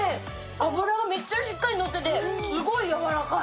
脂がめっちゃしっかりのってて、すごいやわらかい。